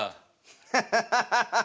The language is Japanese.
ハハハハハハハ。